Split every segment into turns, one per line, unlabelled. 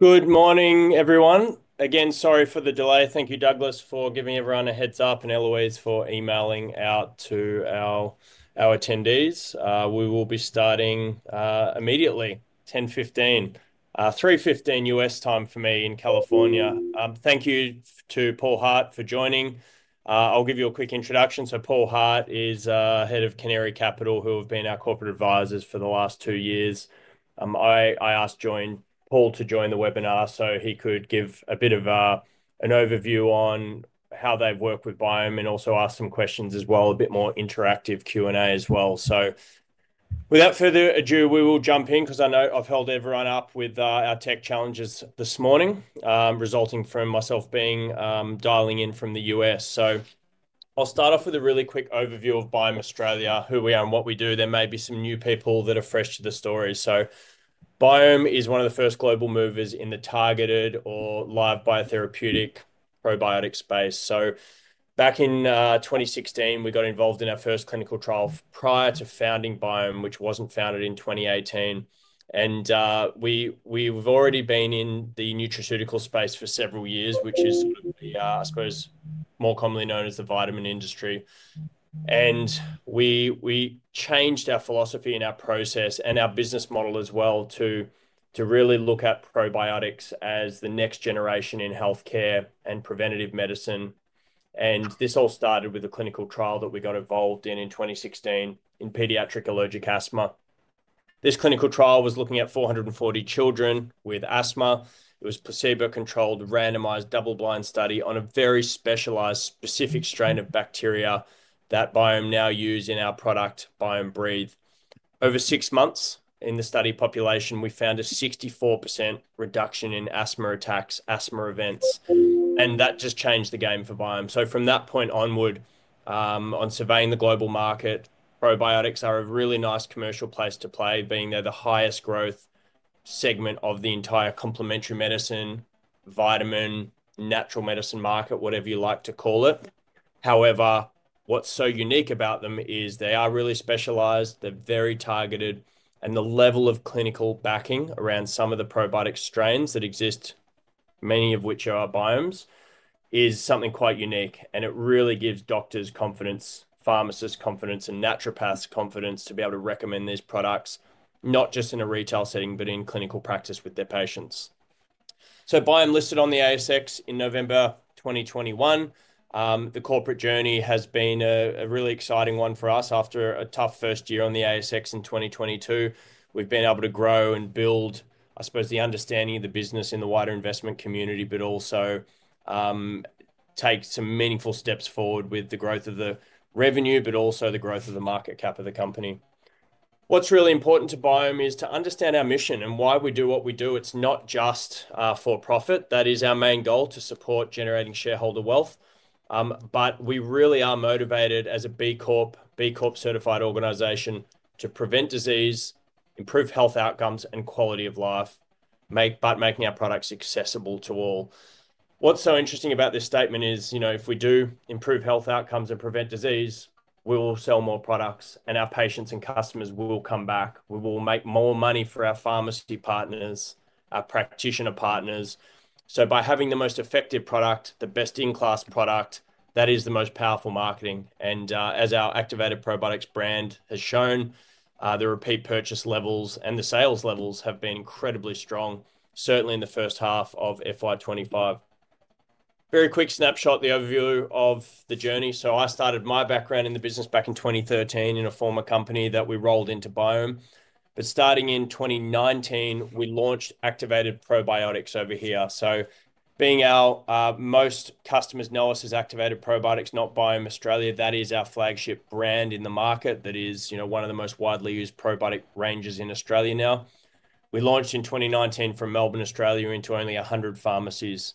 Good morning, everyone. Again, sorry for the delay. Thank you, Douglas, for giving everyone a heads-up, and Eloise for emailing out to our attendees. We will be starting immediately, 10:15 A.M., 3:15 P.M. U.S. time for me in California. Thank you to Paul Hart for joining. I'll give you a quick introduction. Paul Hart is Head of Canary Capital, who have been our corporate advisors for the last two years. I asked Paul to join the webinar so he could give a bit of an overview on how they've worked with Biome and also ask some questions as well, a bit more interactive Q&A as well. Without further ado, we will jump in because I know I've held everyone up with our tech challenges this morning, resulting from myself dialing in from the U.S. I'll start off with a really quick overview of Biome Australia, who we are and what we do. There may be some new people that are fresh to the story. Biome is one of the first global movers in the targeted or live biotherapeutic probiotic space. Back in 2016, we got involved in our first clinical trial prior to founding Biome, which was not founded in 2018. We've already been in the nutraceutical space for several years, which is, I suppose, more commonly known as the vitamin industry. We changed our philosophy and our process and our business model as well to really look at probiotics as the next generation in healthcare and preventative medicine. This all started with a clinical trial that we got involved in in 2016 in pediatric allergic asthma. This clinical trial was looking at 440 children with asthma. It was a placebo-controlled, randomized double-blind study on a very specialized, specific strain of bacteria that Biome now uses in our product, Biome Breathe. Over six months in the study population, we found a 64% reduction in asthma attacks, asthma events. That just changed the game for Biome. From that point onward, on surveying the global market, probiotics are a really nice commercial place to play, being they're the highest growth segment of the entire complementary medicine, vitamin, natural medicine market, whatever you like to call it. However, what's so unique about them is they are really specialized, they're very targeted, and the level of clinical backing around some of the probiotic strains that exist, many of which are our Biome's, is something quite unique. It really gives doctors confidence, pharmacists confidence, and naturopaths confidence to be able to recommend these products, not just in a retail setting, but in clinical practice with their patients. Biome listed on the ASX in November 2021. The corporate journey has been a really exciting one for us after a tough first year on the ASX in 2022. We have been able to grow and build, I suppose, the understanding of the business in the wider investment community, but also take some meaningful steps forward with the growth of the revenue, but also the growth of the market cap of the company. What is really important to Biome is to understand our mission and why we do what we do. It is not just for profit. That is our main goal, to support generating shareholder wealth. We really are motivated as a B Corp, B Corp certified organization, to prevent disease, improve health outcomes, and quality of life, but making our products accessible to all. What's so interesting about this statement is, you know, if we do improve health outcomes and prevent disease, we will sell more products, and our patients and customers will come back. We will make more money for our pharmacy partners, our practitioner partners. By having the most effective product, the best-in-class product, that is the most powerful marketing. As our Activated Probiotics brand has shown, the repeat purchase levels and the sales levels have been incredibly strong, certainly in the first half of FY 2025. Very quick snapshot, the overview of the journey. I started my background in the business back in 2013 in a former company that we rolled into Biome. Starting in 2019, we launched Activated Probiotics over here. So, being our most customers know us as Activated Probiotics, not Biome Australia, that is our flagship brand in the market that is, you know, one of the most widely used probiotic ranges in Australia now. We launched in 2019 from Melbourne, Australia, into only 100 pharmacies.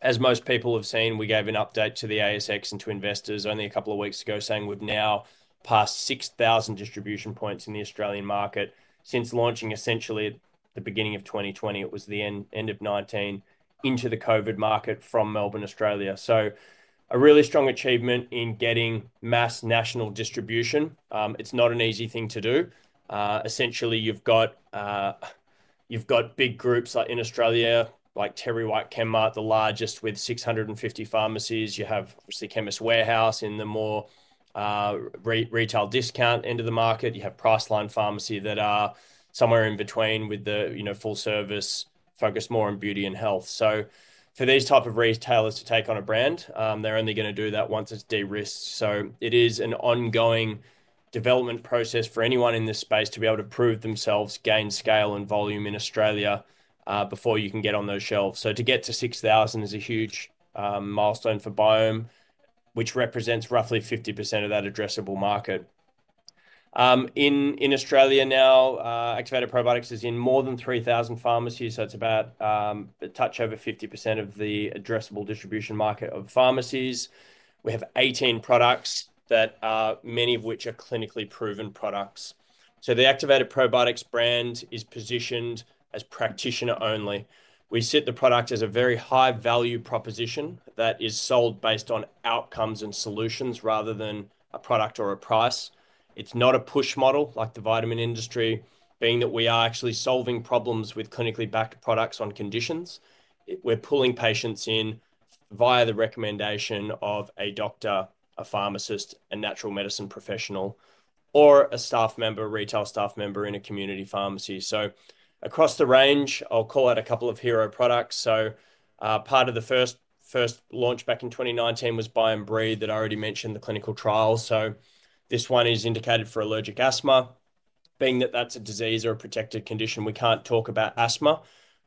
As most people have seen, we gave an update to the ASX and to investors only a couple of weeks ago, saying we've now passed 6,000 distribution points in the Australian market since launching essentially at the beginning of 2020. It was the end of 2019 into the COVID market from Melbourne, Australia. A really strong achievement in getting mass national distribution. It's not an easy thing to do. Essentially, you've got big groups in Australia, like TerryWhite Chemmart, the largest with 650 pharmacies. You have obviously Chemist Warehouse in the more retail discount end of the market. You have Priceline Pharmacy that are somewhere in between with the full service, focused more on beauty and health. For these types of retailers to take on a brand, they're only going to do that once it's de-risked. It is an ongoing development process for anyone in this space to be able to prove themselves, gain scale and volume in Australia before you can get on those shelves. To get to 6,000 is a huge milestone for Biome, which represents roughly 50% of that addressable market. In Australia now, Activated Probiotics is in more than 3,000 pharmacies. It's about a touch over 50% of the addressable distribution market of pharmacies. We have 18 products, many of which are clinically proven products. The Activated Probiotics brand is positioned as practitioner only. We sit the product as a very high-value proposition that is sold based on outcomes and solutions rather than a product or a price. It's not a push model like the vitamin industry, being that we are actually solving problems with clinically backed products on conditions. We're pulling patients in via the recommendation of a doctor, a pharmacist, a natural medicine professional, or a staff member, retail staff member in a community pharmacy. Across the range, I'll call out a couple of hero products. Part of the first launch back in 2019 was Biome Breathe that I already mentioned the clinical trial. This one is indicated for allergic asthma. Being that that's a disease or a protected condition, we can't talk about asthma,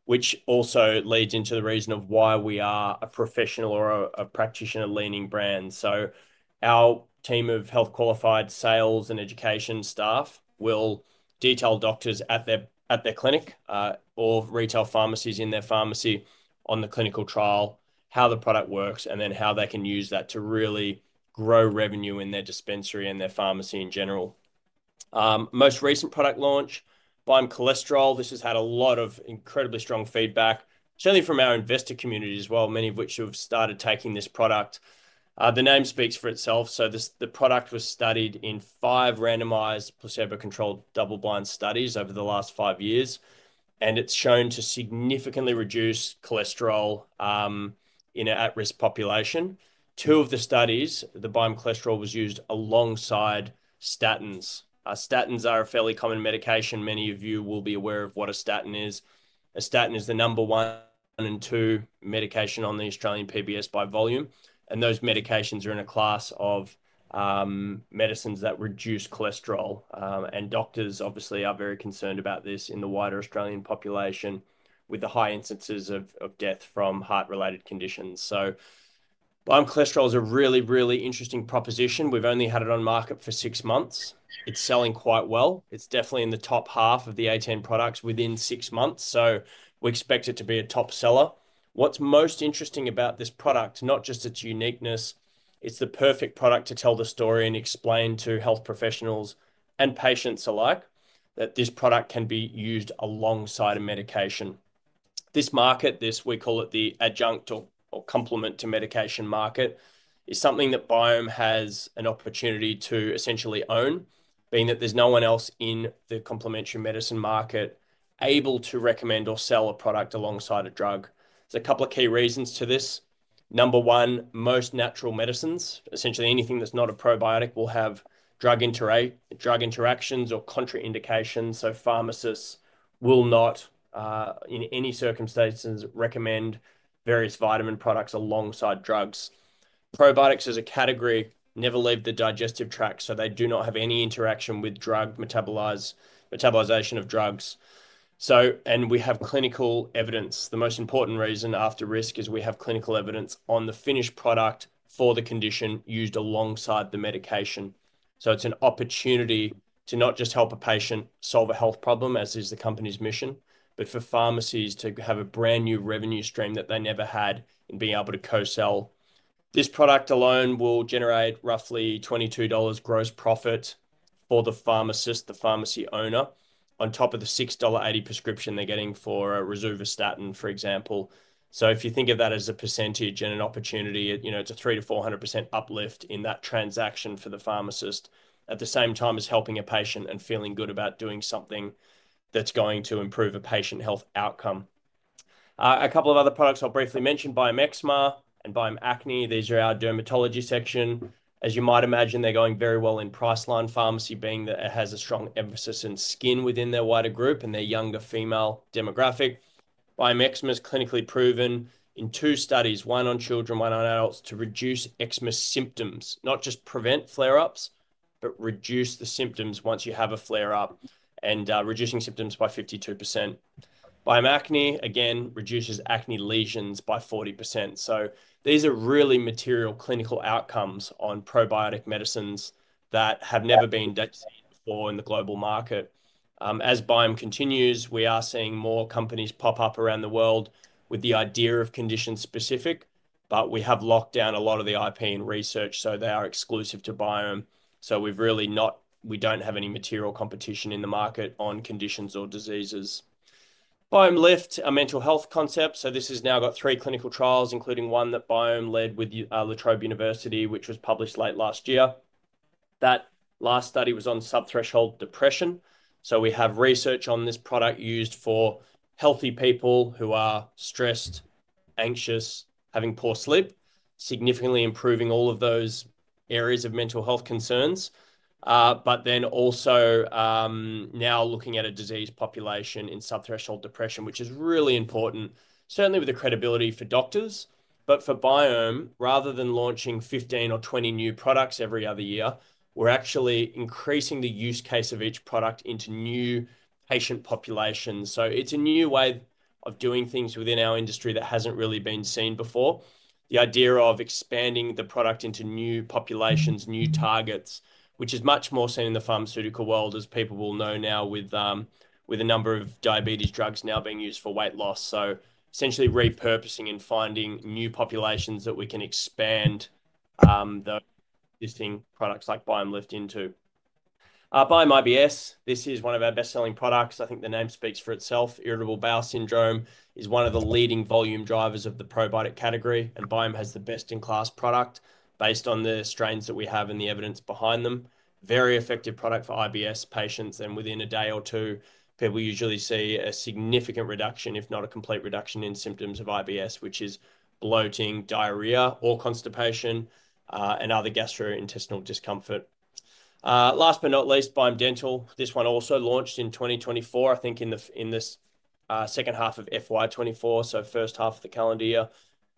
which also leads into the reason of why we are a professional or a practitioner-leaning brand. Our team of health-qualified sales and education staff will detail doctors at their clinic or retail pharmacies in their pharmacy on the clinical trial, how the product works, and then how they can use that to really grow revenue in their dispensary and their pharmacy in general. Most recent product launch, Biome Cholesterol. This has had a lot of incredibly strong feedback, certainly from our investor community as well, many of which have started taking this product. The name speaks for itself. The product was studied in five randomized placebo-controlled double-blind studies over the last five years, and it has shown to significantly reduce cholesterol in an at-risk population. Two of the studies, the Biome Cholesterol was used alongside statins. Statins are a fairly common medication. Many of you will be aware of what a statin is. A statin is the number one and two medication on the Australian PBS by volume. Those medications are in a class of medicines that reduce cholesterol. Doctors obviously are very concerned about this in the wider Australian population with the high incidences of death from heart-related conditions. Biome Cholesterol is a really, really interesting proposition. We've only had it on market for six months. It's selling quite well. It's definitely in the top half of the 18 products within six months. We expect it to be a top seller. What's most interesting about this product, not just its uniqueness, it's the perfect product to tell the story and explain to health professionals and patients alike that this product can be used alongside a medication. This market, this we call it the adjunct or complement to medication market, is something that Biome has an opportunity to essentially own, being that there's no one else in the complementary medicine market able to recommend or sell a product alongside a drug. There's a couple of key reasons to this. Number one, most natural medicines, essentially anything that's not a probiotic, will have drug interactions or contraindications. Pharmacists will not, in any circumstances, recommend various vitamin products alongside drugs. Probiotics as a category never leave the digestive tract, so they do not have any interaction with drug metabolization of drugs. We have clinical evidence. The most important reason after risk is we have clinical evidence on the finished product for the condition used alongside the medication. It is an opportunity to not just help a patient solve a health problem, as is the company's mission, but for pharmacies to have a brand new revenue stream that they never had in being able to co-sell. This product alone will generate roughly 22 dollars gross profit for the pharmacist, the pharmacy owner, on top of the 6.80 dollar prescription they're getting for a rosustatin, for example. If you think of that as a percentage and an opportunity, you know, it's a 300%-400% uplift in that transaction for the pharmacist at the same time as helping a patient and feeling good about doing something that's going to improve a patient health outcome. A couple of other products I'll briefly mention: Biome Eczema and Biome Acne. These are our dermatology section. As you might imagine, they're going very well in Priceline Pharmacy, being that it has a strong emphasis in skin within their wider group and their younger female demographic. Biome Eczema is clinically proven in two studies, one on children, one on adults, to reduce eczema symptoms, not just prevent flare-ups, but reduce the symptoms once you have a flare-up and reducing symptoms by 52%. Biome Acne, again, reduces acne lesions by 40%. These are really material clinical outcomes on probiotic medicines that have never been detected before in the global market. As Biome continues, we are seeing more companies pop up around the world with the idea of condition-specific, but we have locked down a lot of the IP and research, so they are exclusive to Biome. We really do not have any material competition in the market on conditions or diseases. Biome Lift, a mental health concept. This has now got three clinical trials, including one that Biome led with La Trobe University, which was published late last year. That last study was on subthreshold depression. We have research on this product used for healthy people who are stressed, anxious, having poor sleep, significantly improving all of those areas of mental health concerns. Also now looking at a disease population in subthreshold depression, which is really important, certainly with the credibility for doctors. For Biome, rather than launching 15 or 20 new products every other year, we're actually increasing the use case of each product into new patient populations. It is a new way of doing things within our industry that has not really been seen before. The idea of expanding the product into new populations, new targets, which is much more seen in the pharmaceutical world, as people will know now with a number of diabetes drugs now being used for weight loss. Essentially repurposing and finding new populations that we can expand the existing products like Biome Lift into. Biome IBS, this is one of our best-selling products. I think the name speaks for itself. Irritable bowel syndrome is one of the leading volume drivers of the probiotic category, and Biome has the best-in-class product based on the strains that we have and the evidence behind them. Very effective product for IBS patients, and within a day or two, people usually see a significant reduction, if not a complete reduction in symptoms of IBS, which is bloating, diarrhea, or constipation and other gastrointestinal discomfort. Last but not least, Biome Dental. This one also launched in 2024, I think in the second half of FY 2024, so first half of the calendar year.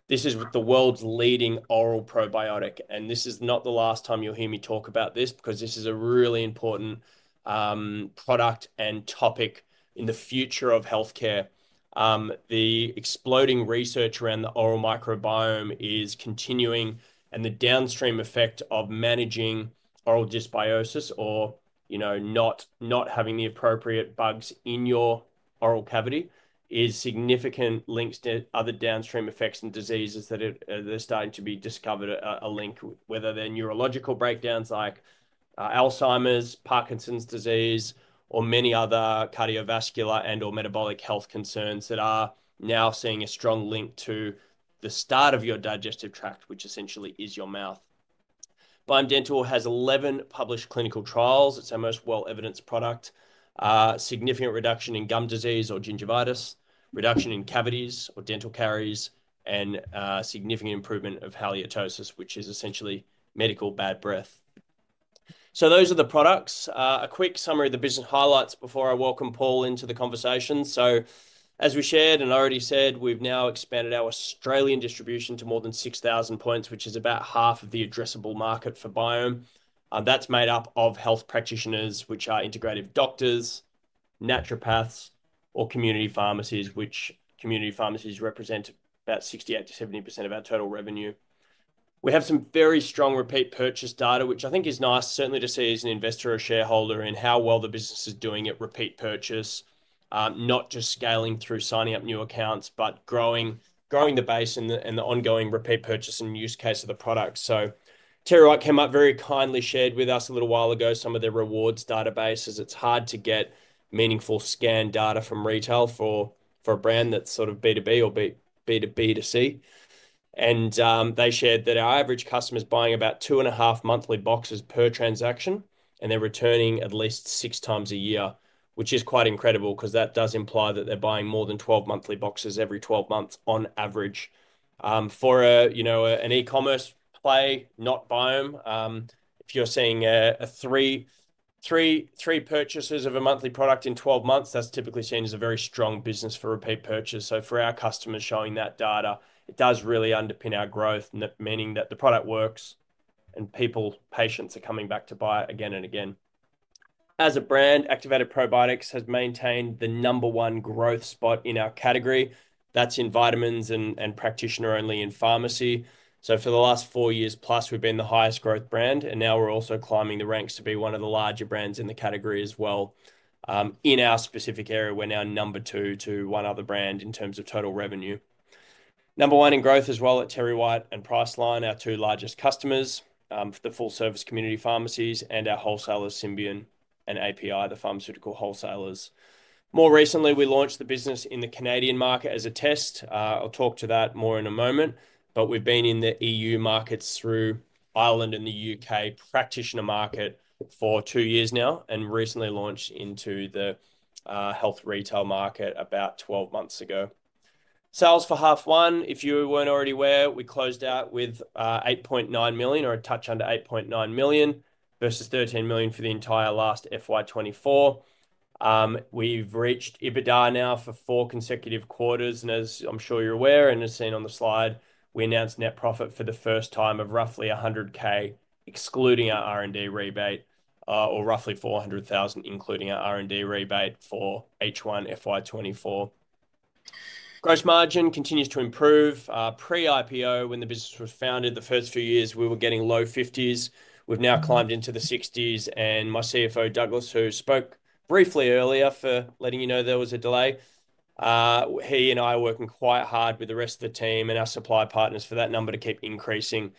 This is the world's leading oral probiotic, and this is not the last time you'll hear me talk about this because this is a really important product and topic in the future of healthcare. The exploding research around the oral microbiome is continuing, and the downstream effect of managing oral dysbiosis or, you know, not having the appropriate bugs in your oral cavity is significant. Links to other downstream effects and diseases are starting to be discovered, a link, whether they're neurological breakdowns like Alzheimer's, Parkinson's disease, or many other cardiovascular and/or metabolic health concerns that are now seeing a strong link to the start of your digestive tract, which essentially is your mouth. Biome Dental has 11 published clinical trials. It's our most well-evidenced product. Significant reduction in gum disease or gingivitis, reduction in cavities or dental caries, and significant improvement of halitosis, which is essentially medical bad breath. Those are the products. A quick summary of the business highlights before I welcome Paul into the conversation. As we shared and already said, we've now expanded our Australian distribution to more than 6,000 points, which is about half of the addressable market for Biome. That's made up of health practitioners, which are integrative doctors, naturopaths, or community pharmacies, which community pharmacies represent about 68%-70% of our total revenue. We have some very strong repeat purchase data, which I think is nice, certainly to see as an investor or shareholder in how well the business is doing at repeat purchase, not just scaling through signing up new accounts, but growing the base and the ongoing repeat purchase and use case of the product. TerryWhite Chemmart came up very kindly, shared with us a little while ago some of their rewards databases. It is hard to get meaningful scan data from retail for a brand that is sort of B2B or B2B2C. They shared that our average customer is buying about two and a half monthly boxes per transaction, and they are returning at least six times a year, which is quite incredible because that does imply that they are buying more than 12 monthly boxes every 12 months on average. For an e-commerce play, not Biome, if you're seeing three purchases of a monthly product in 12 months, that's typically seen as a very strong business for repeat purchase. For our customers showing that data, it does really underpin our growth, meaning that the product works and people, patients are coming back to buy it again and again. As a brand, Activated Probiotics has maintained the number one growth spot in our category. That's in vitamins and practitioner only in pharmacy. For the last four years plus, we've been the highest growth brand, and now we're also climbing the ranks to be one of the larger brands in the category as well. In our specific area, we're now number two to one other brand in terms of total revenue. Number one in growth as well at TerryWhite Chemmart and Priceline Pharmacy, our two largest customers, the full-service community pharmacies and our wholesalers, Symbion and API, the pharmaceutical wholesalers. More recently, we launched the business in the Canadian market as a test. I'll talk to that more in a moment, but we've been in the EU markets through Ireland and the U.K. practitioner market for two years now and recently launched into the health retail market about 12 months ago. Sales for half one, if you weren't already aware, we closed out with 8.9 million or a touch under 8.9 million versus 13 million for the entire last FY 2024. We've reached EBITDA now for four consecutive quarters. As I'm sure you're aware and have seen on the slide, we announced net profit for the first time of roughly 100,000, excluding our R&D rebate, or roughly 400,000, including our R&D rebate for H1 FY 2024. Gross margin continues to improve. Pre-IPO, when the business was founded, the first few years, we were getting low 50%. We've now climbed into the 60%. My CFO, Douglas, who spoke briefly earlier for letting you know there was a delay, he and I are working quite hard with the rest of the team and our supply partners for that number to keep increasing,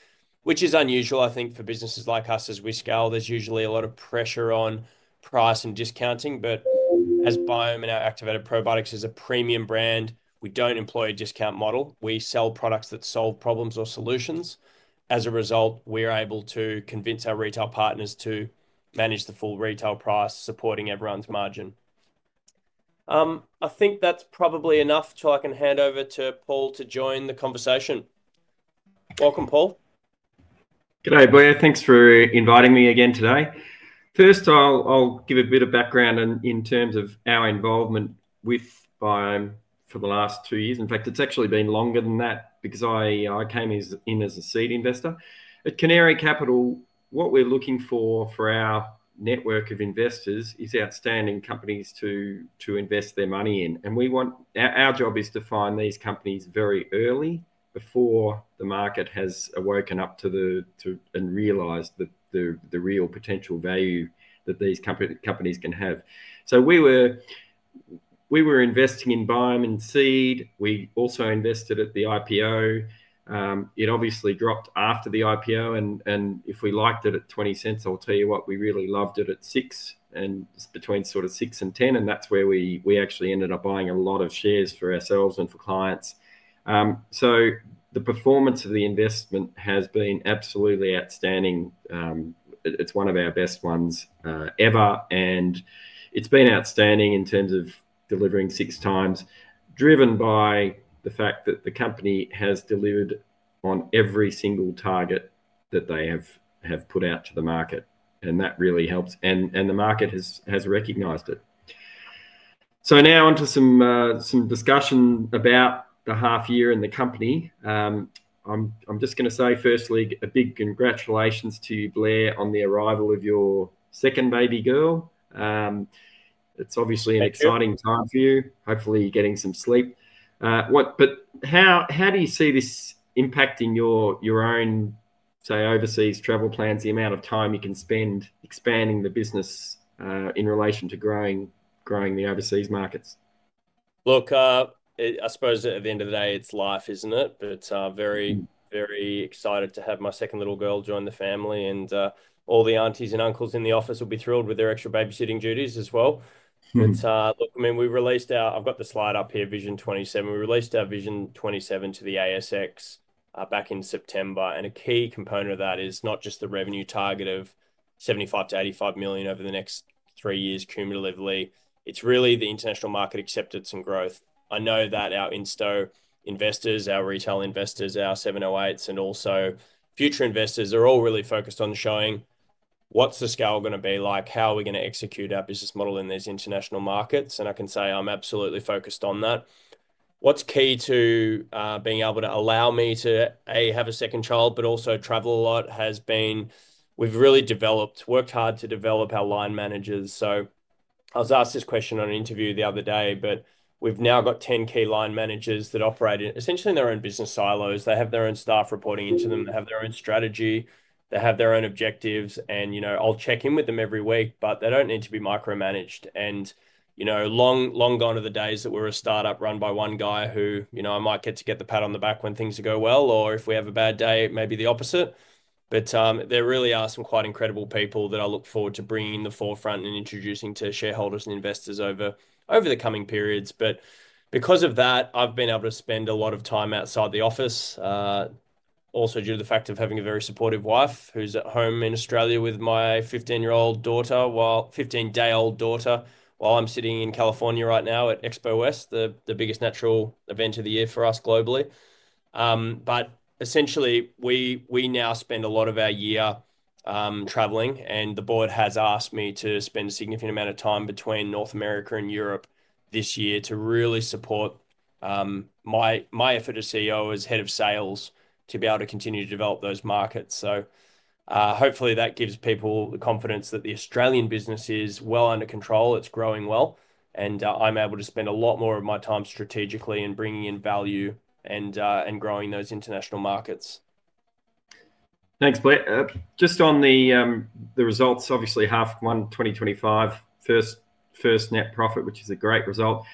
which is unusual, I think, for businesses like us. As we scale, there's usually a lot of pressure on price and discounting. As Biome and our Activated Probiotics is a premium brand, we do not employ a discount model. We sell products that solve problems or solutions. As a result, we are able to convince our retail partners to manage the full retail price, supporting everyone's margin. I think that's probably enough till I can hand over to Paul to join the conversation. Welcome, Paul.
G'day, Blair. Thanks for inviting me again today. First, I'll give a bit of background in terms of our involvement with Biome for the last two years. In fact, it's actually been longer than that because I came in as a seed investor. At Canary Capital, what we're looking for for our network of investors is outstanding companies to invest their money in. We want our job is to find these companies very early before the market has awoken up to and realized the real potential value that these companies can have. We were investing in Biome in seed. We also invested at the IPO. It obviously dropped after the IPO. If we liked it at 0.20, I'll tell you what, we really loved it at six and between sort of six and ten. That is where we actually ended up buying a lot of shares for ourselves and for clients. The performance of the investment has been absolutely outstanding. It is one of our best ones ever. It has been outstanding in terms of delivering six times, driven by the fact that the company has delivered on every single target that they have put out to the market. That really helps. The market has recognized it. Now on to some discussion about the half year and the company. I am just going to say, firstly, a big congratulations to Blair on the arrival of your second baby girl. It is obviously an exciting time for you, hopefully getting some sleep. How do you see this impacting your own, say, overseas travel plans, the amount of time you can spend expanding the business in relation to growing the overseas markets?
I suppose at the end of the day, it's life, isn't it? Very, very excited to have my second little girl join the family. All the aunties and uncles in the office will be thrilled with their extra babysitting duties as well. I mean, we released our—I have the slide up here, Vision 27. We released our Vision 27 to the ASX back in September. A key component of that is not just the revenue target of 75 million-85 million over the next three years cumulatively. It's really the international market acceptance and growth. I know that our insto investors, our retail investors, our 708s, and also future investors are all really focused on showing what's the scale going to be like, how are we going to execute our business model in these international markets? I can say I'm absolutely focused on that. What's key to being able to allow me to, A, have a second child, but also travel a lot has been we've really developed, worked hard to develop our line managers. I was asked this question on an interview the other day, but we've now got 10 key line managers that operate essentially in their own business silos. They have their own staff reporting into them. They have their own strategy. They have their own objectives. I'll check in with them every week, but they don't need to be micromanaged. Long gone are the days that we're a startup run by one guy who I might get to get the pat on the back when things go well, or if we have a bad day, maybe the opposite. There really are some quite incredible people that I look forward to bringing in the forefront and introducing to shareholders and investors over the coming periods. Because of that, I've been able to spend a lot of time outside the office, also due to the fact of having a very supportive wife who's at home in Australia with my 15-year-old daughter, while 15-day-old daughter, while I'm sitting in California right now at Expo West, the biggest natural event of the year for us globally. Essentially, we now spend a lot of our year traveling. The board has asked me to spend a significant amount of time between North America and Europe this year to really support my effort as CEO as head of sales to be able to continue to develop those markets. Hopefully, that gives people the confidence that the Australian business is well under control. It's growing well. I'm able to spend a lot more of my time strategically and bringing in value and growing those international markets.
Thanks, Blair. Just on the results, obviously, half one 2025, first net profit, which is a great result.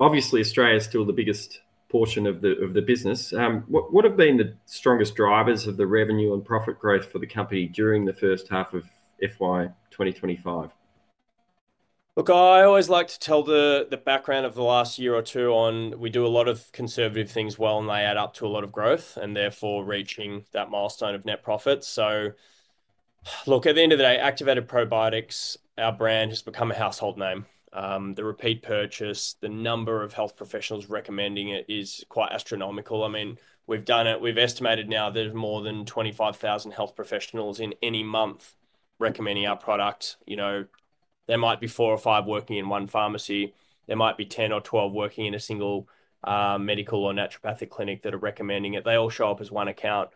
Obviously, Australia is still the biggest portion of the business. What have been the strongest drivers of the revenue and profit growth for the company during the first half of FY 2025?
Look, I always like to tell the background of the last year or two on we do a lot of conservative things well, and they add up to a lot of growth and therefore reaching that milestone of net profits. At the end of the day, Activated Probiotics, our brand, has become a household name. The repeat purchase, the number of health professionals recommending it is quite astronomical. I mean, we've done it. We've estimated now there's more than 25,000 health professionals in any month recommending our product. There might be four or five working in one pharmacy. There might be 10 or 12 working in a single medical or naturopathic clinic that are recommending it. They all show up as one account.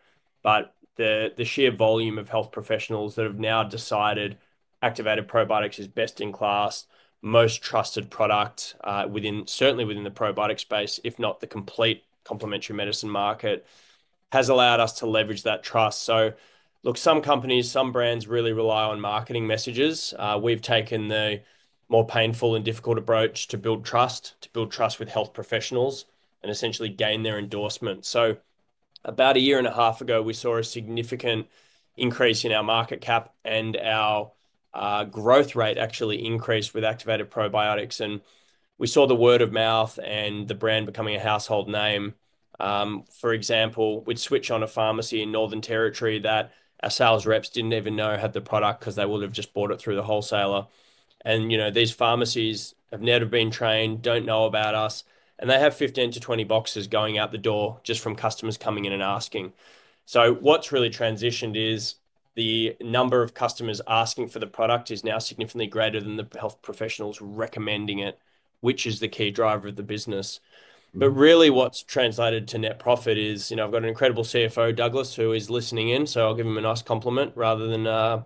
The sheer volume of health professionals that have now decided Activated Probiotics is best in class, most trusted product certainly within the probiotic space, if not the complete complementary medicine market, has allowed us to leverage that trust. Look, some companies, some brands really rely on marketing messages. We've taken the more painful and difficult approach to build trust, to build trust with health professionals and essentially gain their endorsement. About a year and a half ago, we saw a significant increase in our market cap and our growth rate actually increased with Activated Probiotics. We saw the word of mouth and the brand becoming a household name. For example, we'd switch on a pharmacy in Northern Territory that our sales reps didn't even know had the product because they would have just bought it through the wholesaler. These pharmacies have never been trained, do not know about us. They have 15-20 boxes going out the door just from customers coming in and asking. What has really transitioned is the number of customers asking for the product is now significantly greater than the health professionals recommending it, which is the key driver of the business. What has translated to net profit is I have got an incredible CFO, Douglas, who is listening in. I will give him a nice compliment rather than a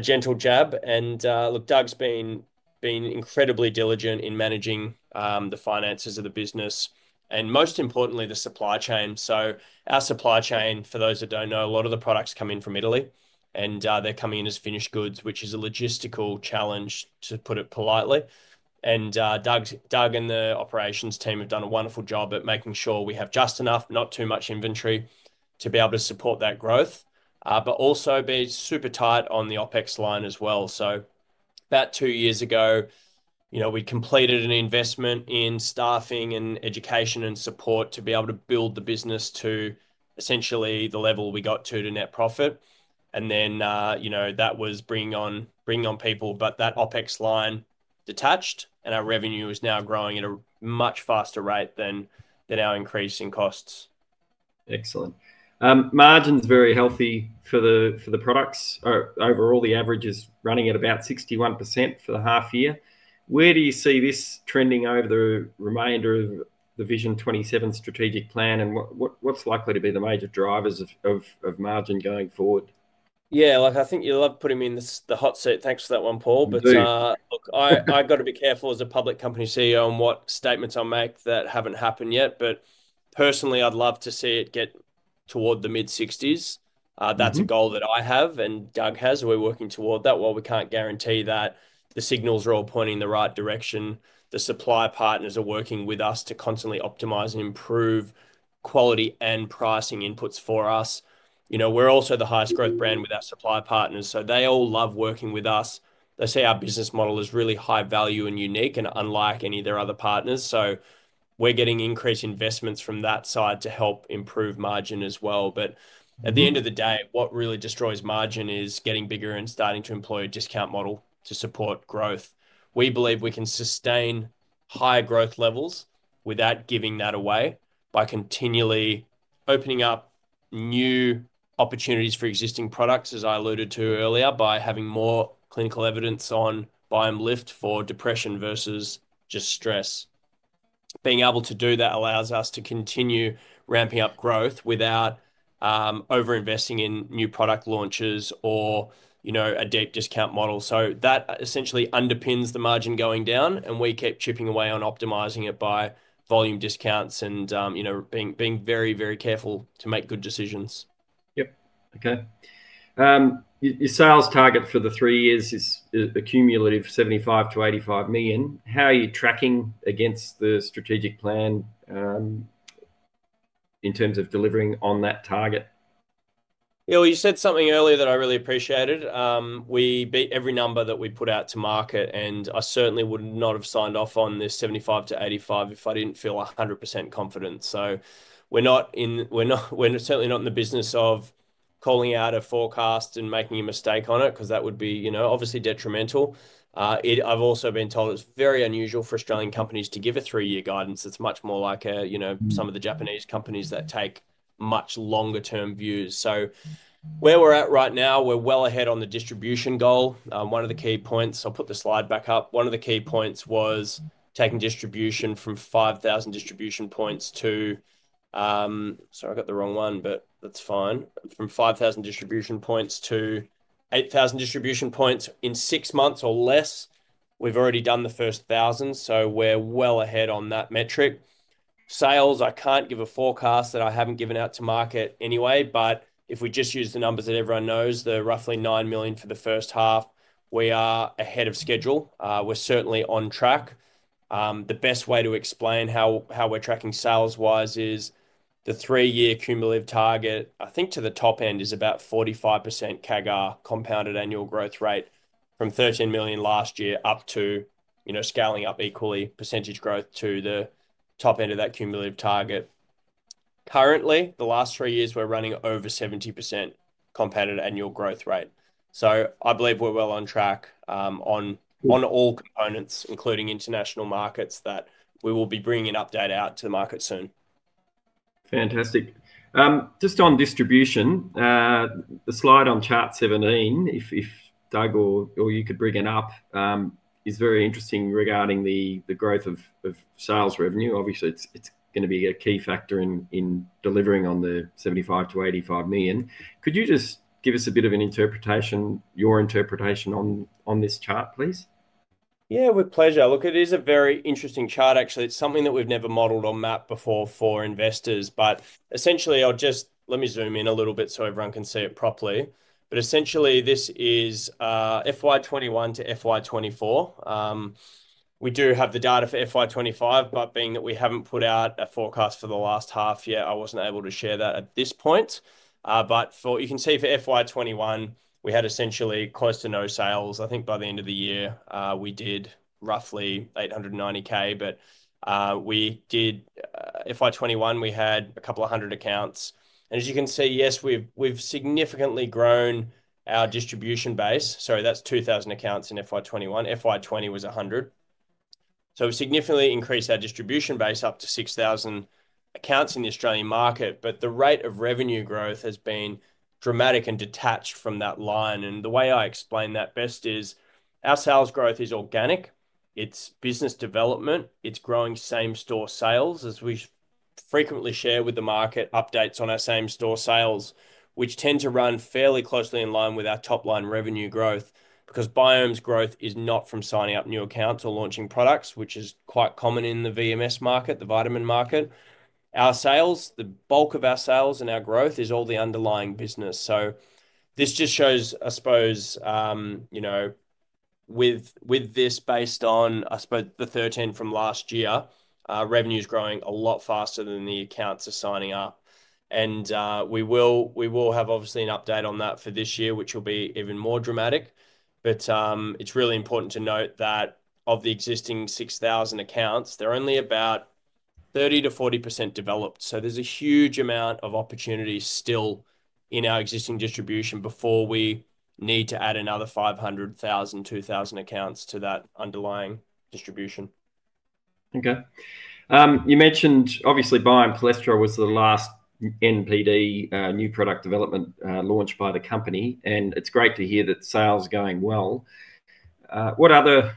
gentle jab. Doug has been incredibly diligent in managing the finances of the business and, most importantly, the supply chain. Our supply chain, for those who do not know, a lot of the products come in from Italy, and they are coming in as finished goods, which is a logistical challenge, to put it politely. Doug and the operations team have done a wonderful job at making sure we have just enough, not too much inventory to be able to support that growth, but also be super tight on the OpEx line as well. About two years ago, we completed an investment in staffing and education and support to be able to build the business to essentially the level we got to, to net profit. That was bringing on people. That OpEx line detached, and our revenue is now growing at a much faster rate than our increase in costs.
Excellent. Margin's very healthy for the products. Overall, the average is running at about 61% for the half year. Where do you see this trending over the remainder of the Vision 27 Strategic Plan? What's likely to be the major drivers of margin going forward?
Yeah, I think you'll love putting me in the hot seat. Thanks for that one, Paul. Look, I've got to be careful as a public company CEO on what statements I'll make that haven't happened yet. Personally, I'd love to see it get toward the mid-60%. That's a goal that I have and Doug has. We're working toward that. While we can't guarantee that, the signals are all pointing in the right direction. The supply partners are working with us to constantly optimize and improve quality and pricing inputs for us. We're also the highest growth brand with our supply partners. They all love working with us. They see our business model as really high value and unique and unlike any of their other partners. We're getting increased investments from that side to help improve margin as well. At the end of the day, what really destroys margin is getting bigger and starting to employ a discount model to support growth. We believe we can sustain higher growth levels without giving that away by continually opening up new opportunities for existing products, as I alluded to earlier, by having more clinical evidence on Biome Lift for depression versus just stress. Being able to do that allows us to continue ramping up growth without overinvesting in new product launches or a deep discount model. That essentially underpins the margin going down. We keep chipping away on optimizing it by volume discounts and being very, very careful to make good decisions.
Yep. Okay. Your sales target for the three years is a cumulative 75 million-85 million. How are you tracking against the strategic plan in terms of delivering on that target?
Yeah, you said something earlier that I really appreciated. We beat every number that we put out to market. I certainly would not have signed off on this 75-85 if I did not feel 100% confident. We are certainly not in the business of calling out a forecast and making a mistake on it because that would be obviously detrimental. I have also been told it is very unusual for Australian companies to give a three-year guidance. It is much more like some of the Japanese companies that take much longer-term views. Where we are at right now, we are well ahead on the distribution goal. One of the key points—I will put the slide back up—one of the key points was taking distribution from 5,000 distribution points to—sorry, I got the wrong one, but that is fine—from 5,000 distribution points to 8,000 distribution points in six months or less. We've already done the first thousand. So, we're well ahead on that metric. Sales, I can't give a forecast that I haven't given out to market anyway. But if we just use the numbers that everyone knows, the roughly 9 million for the first half, we are ahead of schedule. We're certainly on track. The best way to explain how we're tracking sales-wise is the three-year cumulative target. I think to the top end is about 45% CAGR, compounded annual growth rate, from 13 million last year up to scaling up equally percentage growth to the top end of that cumulative target. Currently, the last three years, we're running over 70% compounded annual growth rate. So, I believe we're well on track on all components, including international markets, that we will be bringing an update out to the market soon.
Fantastic. Just on distribution, the slide on chart 17, if Doug or you could bring it up, is very interesting regarding the growth of sales revenue. Obviously, it's going to be a key factor in delivering on the 75 million-85 million. Could you just give us a bit of an interpretation, your interpretation on this chart, please?
Yeah, with pleasure. Look, it is a very interesting chart, actually. It's something that we've never modeled on map before for investors. Essentially, I'll just—let me zoom in a little bit so everyone can see it properly. Essentially, this is FY 2021 to FY 2024. We do have the data for FY 2025, but being that we haven't put out a forecast for the last half year, I wasn't able to share that at this point. You can see for FY 2021, we had essentially close to no sales. I think by the end of the year, we did roughly 890,000, but we did—FY 2021, we had a couple of hundred accounts. As you can see, yes, we've significantly grown our distribution base. That's 2,000 accounts in FY 2021. FY 2020 was 100. We've significantly increased our distribution base up to 6,000 accounts in the Australian market. The rate of revenue growth has been dramatic and detached from that line. The way I explain that best is our sales growth is organic. It's business development. It's growing same-store sales, as we frequently share with the market updates on our same-store sales, which tend to run fairly closely in line with our top-line revenue growth because Biome's growth is not from signing up new accounts or launching products, which is quite common in the VMS market, the vitamin market. Our sales, the bulk of our sales and our growth is all the underlying business. This just shows, I suppose, with this based on, I suppose, the 13 from last year, revenue's growing a lot faster than the accounts are signing up. We will have, obviously, an update on that for this year, which will be even more dramatic. It's really important to note that of the existing 6,000 accounts, there are only about 30%-40% developed. There's a huge amount of opportunity still in our existing distribution before we need to add another 500, 1,000, 2,000 accounts to that underlying distribution.
You mentioned, obviously, Biome Cholesterol was the last NPD new product development launched by the company. It's great to hear that sales are going well. What other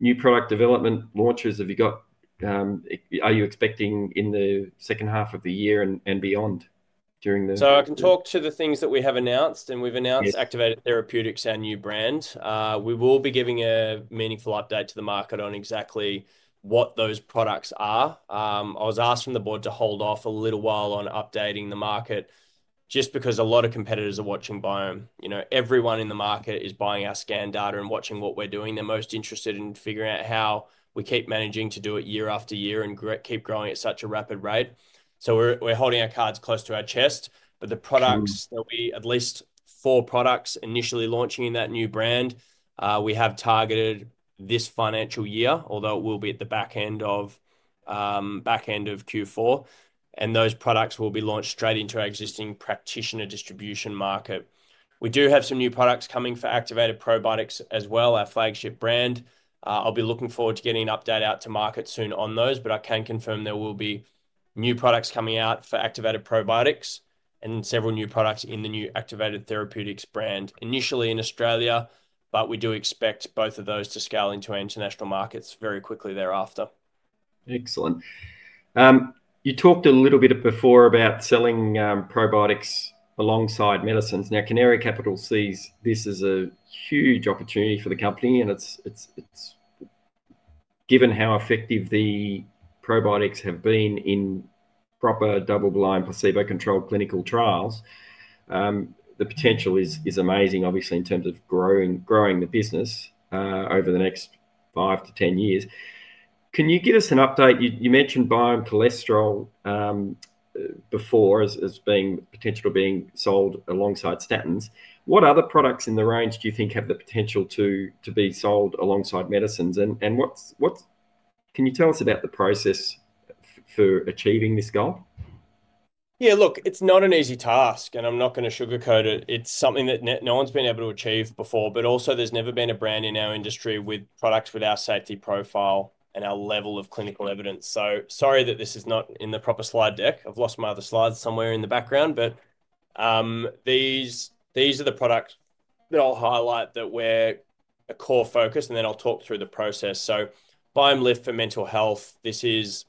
new product development launches have you got? Are you expecting in the second half of the year and beyond during the—
I can talk to the things that we have announced. We have announced Activated Therapeutics, our new brand. We will be giving a meaningful update to the market on exactly what those products are. I was asked from the board to hold off a little while on updating the market just because a lot of competitors are watching Biome. Everyone in the market is buying our scan data and watching what we are doing. They are most interested in figuring out how we keep managing to do it year after year and keep growing at such a rapid rate. We are holding our cards close to our chest. The products that we—at least four products initially launching in that new brand—we have targeted this financial year, although it will be at the back end of Q4. Those products will be launched straight into our existing practitioner distribution market. We do have some new products coming for Activated Probiotics as well, our flagship brand. I will be looking forward to getting an update out to market soon on those. I can confirm there will be new products coming out for Activated Probiotics and several new products in the new Activated Therapeutics brand, initially in Australia. We do expect both of those to scale into our international markets very quickly thereafter.
Excellent. You talked a little bit before about selling probiotics alongside medicines. Now, Canary Capital sees this as a huge opportunity for the company. Given how effective the probiotics have been in proper double-blind placebo-controlled clinical trials, the potential is amazing, obviously, in terms of growing the business over the next 5 to 10 years. Can you give us an update? You mentioned Biome Cholesterol before as being potential being sold alongside statins. What other products in the range do you think have the potential to be sold alongside medicines? Can you tell us about the process for achieving this goal?
Yeah, look, it's not an easy task. I'm not going to sugarcoat it. It's something that no one's been able to achieve before. Also, there's never been a brand in our industry with products with our safety profile and our level of clinical evidence. Sorry that this is not in the proper slide deck. I've lost my other slides somewhere in the background. These are the products that I'll highlight that were a core focus. I'll talk through the process. Biome Lift for mental health, this is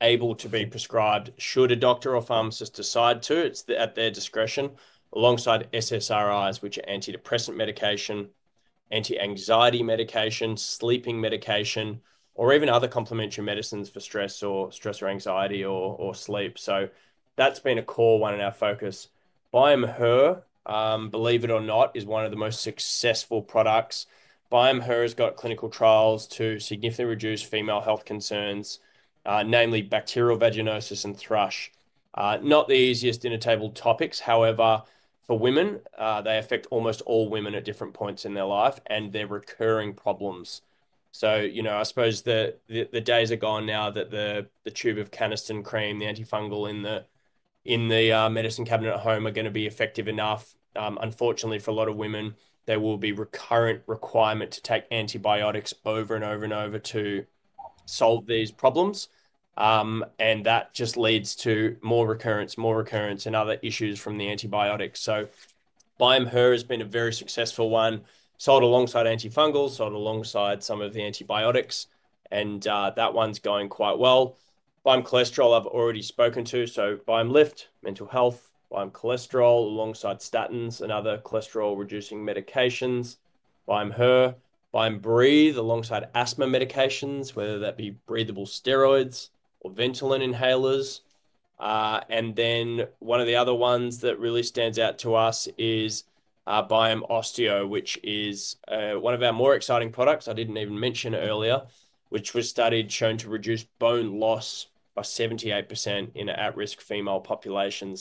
able to be prescribed should a doctor or pharmacist decide to. It's at their discretion alongside SSRIs, which are antidepressant medication, anti-anxiety medication, sleeping medication, or even other complementary medicines for stress or stress or anxiety or sleep. That's been a core one in our focus. Biome Her, believe it or not, is one of the most successful products. Biome Her has got clinical trials to significantly reduce female health concerns, namely bacterial vaginosis and thrush. Not the easiest inner-table topics. However, for women, they affect almost all women at different points in their life. They're recurring problems. I suppose the days are gone now that the tube of Canesten Cream, the antifungal in the medicine cabinet at home, are going to be effective enough. Unfortunately, for a lot of women, there will be recurrent requirement to take antibiotics over and over and over to solve these problems. That just leads to more recurrence, more recurrence, and other issues from the antibiotics. Biome Her has been a very successful one, sold alongside antifungal, sold alongside some of the antibiotics. That one's going quite well. Biome Cholesterol, I've already spoken to. Biome Lift, mental health, Biome Cholesterol alongside statins and other cholesterol-reducing medications. Biome Her, Biome Breathe alongside asthma medications, whether that be breathable steroids or Ventolin inhalers. One of the other ones that really stands out to us is Biome Osteo, which is one of our more exciting products I didn't even mention earlier, which was studied, shown to reduce bone loss by 78% in an at-risk female population.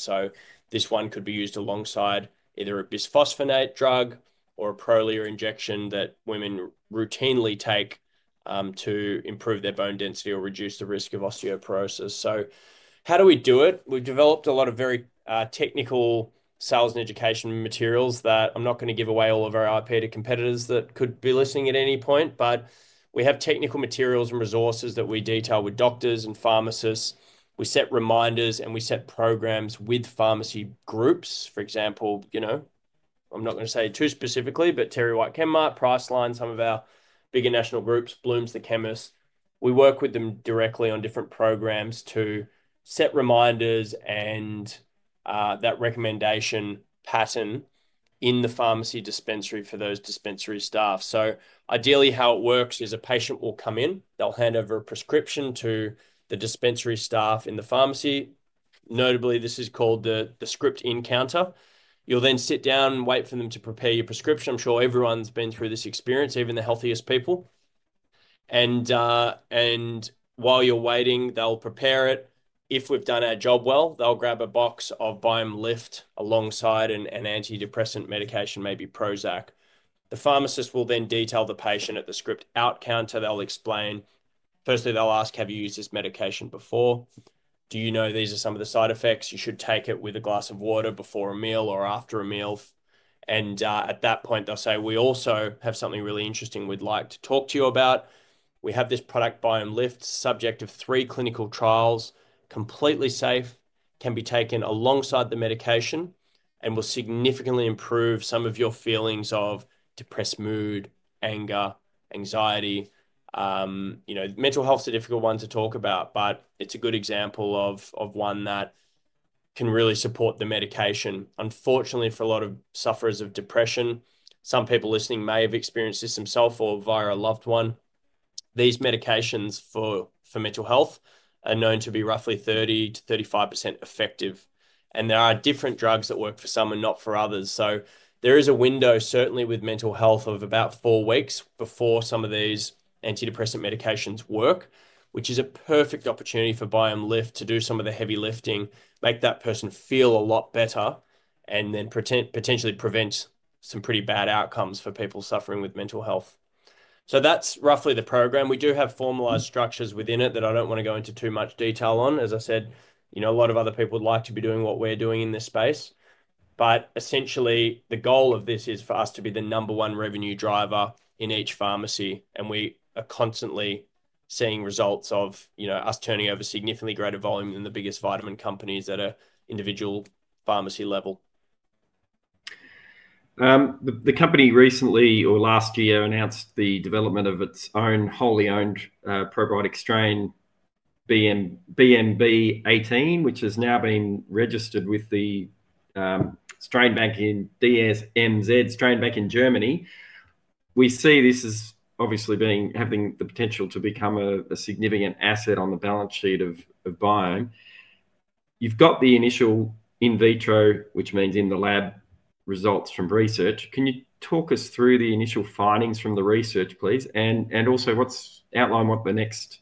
This one could be used alongside either a bisphosphonate drug or a Prolia injection that women routinely take to improve their bone density or reduce the risk of osteoporosis. How do we do it? We've developed a lot of very technical sales and education materials that I'm not going to give away, all of our petty competitors that could be listening at any point. We have technical materials and resources that we detail with doctors and pharmacists. We set reminders, and we set programs with pharmacy groups. For example, I'm not going to say too specifically, but TerryWhite Chemmart, Priceline, some of our bigger national groups, Blooms The Chemist. We work with them directly on different programs to set reminders and that recommendation pattern in the pharmacy dispensary for those dispensary staff. Ideally, how it works is a patient will come in. They'll hand over a prescription to the dispensary staff in the pharmacy. Notably, this is called the script in counter. You'll then sit down and wait for them to prepare your prescription. I'm sure everyone's been through this experience, even the healthiest people. While you're waiting, they'll prepare it. If we've done our job well, they'll grab a box of Biome Lift alongside an antidepressant medication, maybe Prozac. The pharmacist will then detail the patient at the script out counter. They'll explain. Firstly, they'll ask, "Have you used this medication before? Do you know these are some of the side effects? You should take it with a glass of water before a meal or after a meal." At that point, they'll say, "We also have something really interesting we'd like to talk to you about. We have this product, Biome Lift, subject to three clinical trials, completely safe, can be taken alongside the medication, and will significantly improve some of your feelings of depressed mood, anger, anxiety. Mental health is a difficult one to talk about, but it's a good example of one that can really support the medication. Unfortunately, for a lot of sufferers of depression, some people listening may have experienced this themselves or via a loved one. These medications for mental health are known to be roughly 30%-35% effective. There are different drugs that work for some and not for others. There is a window, certainly with mental health, of about four weeks before some of these antidepressant medications work, which is a perfect opportunity for Biome Lift to do some of the heavy lifting, make that person feel a lot better, and then potentially prevent some pretty bad outcomes for people suffering with mental health. That's roughly the program. We do have formalized structures within it that I don't want to go into too much detail on. As I said, a lot of other people would like to be doing what we're doing in this space. Essentially, the goal of this is for us to be the number one revenue driver in each pharmacy. We are constantly seeing results of us turning over significantly greater volume than the biggest vitamin companies at an individual pharmacy level.
The company recently, or last year, announced the development of its own wholly owned probiotic strain, BMB18, which has now been registered with the strain bank in DSMZ, strain bank in Germany. We see this as obviously having the potential to become a significant asset on the balance sheet of Biome. You've got the initial in vitro, which means in the lab results from research. Can you talk us through the initial findings from the research, please? Also outline what the next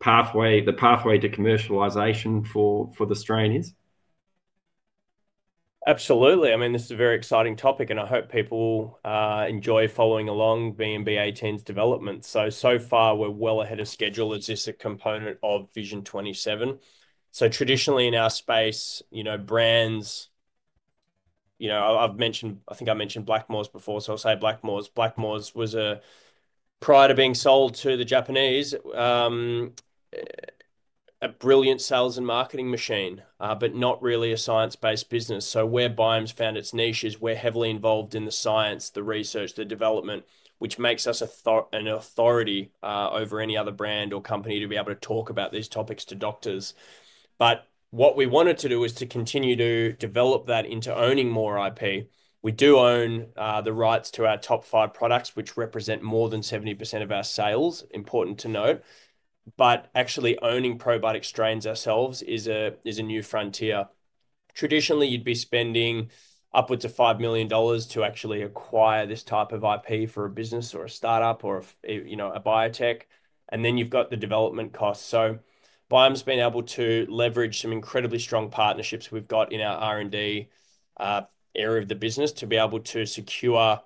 pathway, the pathway to commercialization for the strain is?
Absolutely. I mean, this is a very exciting topic. I hope people enjoy following along BMB18's development. So far, we're well ahead of schedule as it's a component of Vision 27. Traditionally, in our space, brands—I think I mentioned Blackmores before. I'll say Blackmores. Blackmores was, prior to being sold to the Japanese, a brilliant sales and marketing machine, but not really a science-based business. Where Biome's found its niche is we're heavily involved in the science, the research, the development, which makes us an authority over any other brand or company to be able to talk about these topics to doctors. What we wanted to do is to continue to develop that into owning more IP. We do own the rights to our top five products, which represent more than 70% of our sales. Important to note. Actually owning probiotic strains ourselves is a new frontier. Traditionally, you'd be spending upwards of $5 million to actually acquire this type of IP for a business or a startup or a biotech. Then you've got the development costs. Biome's been able to leverage some incredibly strong partnerships we've got in our R&D area of the business to be able to secure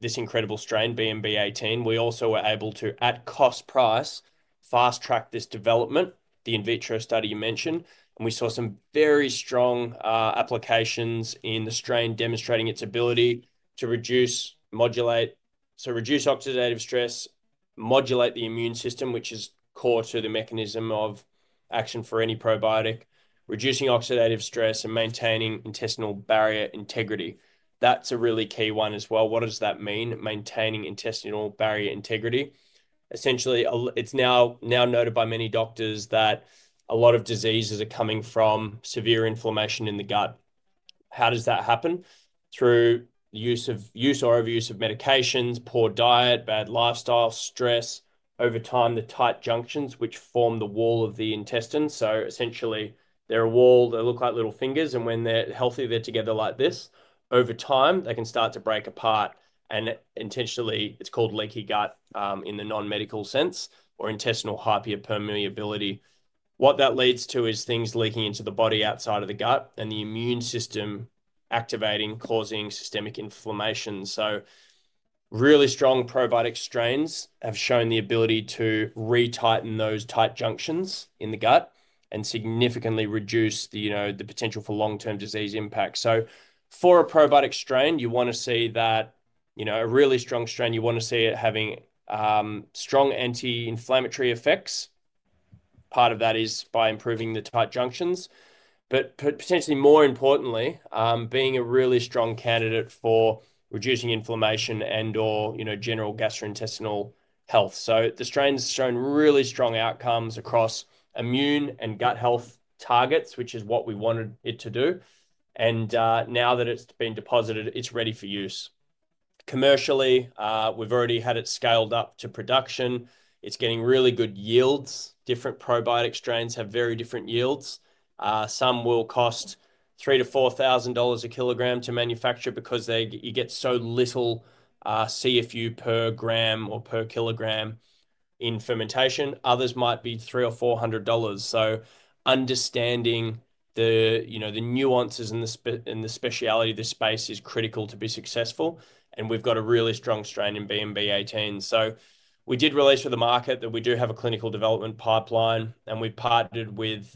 this incredible strain, BMB18. We also were able to, at cost price, fast-track this development, the in vitro study you mentioned. We saw some very strong applications in the strain demonstrating its ability to reduce, modulate, so reduce oxidative stress, modulate the immune system, which is core to the mechanism of action for any probiotic, reducing oxidative stress and maintaining intestinal barrier integrity. That's a really key one as well. What does that mean? Maintaining intestinal barrier integrity. Essentially, it's now noted by many doctors that a lot of diseases are coming from severe inflammation in the gut. How does that happen? Through use or overuse of medications, poor diet, bad lifestyle, stress, over time, the tight junctions which form the wall of the intestine. Essentially, they're a wall. They look like little fingers. When they're healthy, they're together like this. Over time, they can start to break apart. Intentionally, it's called leaky gut in the non-medical sense or intestinal hyperpermeability. What that leads to is things leaking into the body outside of the gut and the immune system activating, causing systemic inflammation. Really strong probiotic strains have shown the ability to retighten those tight junctions in the gut and significantly reduce the potential for long-term disease impact. For a probiotic strain, you want to see that a really strong strain, you want to see it having strong anti-inflammatory effects. Part of that is by improving the tight junctions. Potentially, more importantly, being a really strong candidate for reducing inflammation and/or general gastrointestinal health. The strain's shown really strong outcomes across immune and gut health targets, which is what we wanted it to do. Now that it's been deposited, it's ready for use. Commercially, we've already had it scaled up to production. It's getting really good yields. Different probiotic strains have very different yields. Some will cost 3,000-4,000 dollars a kilogram to manufacture because you get so little CFU per gram or per kilogram in fermentation. Others might be 300 or 400 dollars. Understanding the nuances and the speciality of this space is critical to be successful. We've got a really strong strain in BMB18. We did release for the market that we do have a clinical development pipeline. We partnered with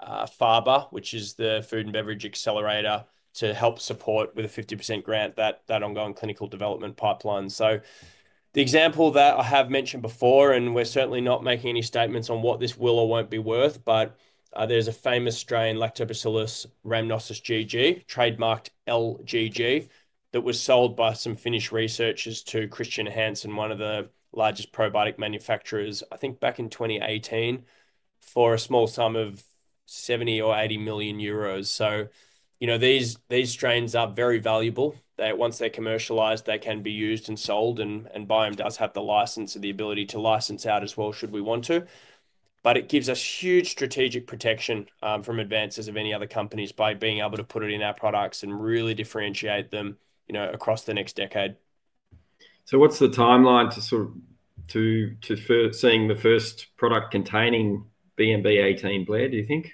FaBA, which is the Food and Beverage Accelerator, to help support with a 50% grant that ongoing clinical development pipeline. The example that I have mentioned before, and we're certainly not making any statements on what this will or won't be worth, but there's a famous strain, Lactobacillus rhamnosus GG, trademarked LGG, that was sold by some Finnish researchers to Chr. Hansen, one of the largest probiotic manufacturers, I think back in 2018, for a small sum of 70 million euros or 80 million euros. These strains are very valuable. Once they're commercialized, they can be used and sold. And Biome does have the license or the ability to license out as well should we want to. It gives us huge strategic protection from advances of any other companies by being able to put it in our products and really differentiate them across the next decade.
What's the timeline to seeing the first product containing BMB18 Blair, do you think?